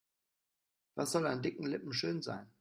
Was soll an dicken Lippen schön sein?